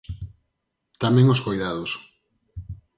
Tamén os coidados.